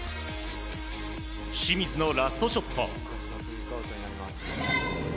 清水のラストショット。